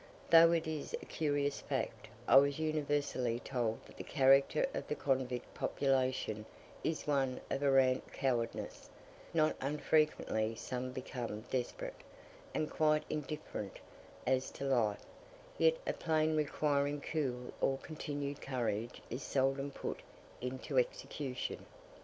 Though it is a curious fact, I was universally told that the character of the convict population is one of arrant cowardice: not unfrequently some become desperate, and quite indifferent as to life, yet a plan requiring cool or continued courage is seldom put into execution.